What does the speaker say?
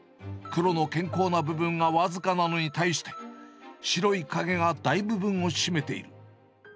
黒の健康な部分が僅かなのに対して、白い影が大部分を占めている。